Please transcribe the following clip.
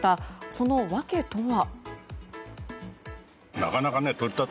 その訳とは。